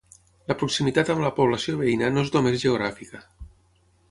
La proximitat amb la població veïna no és només geogràfica.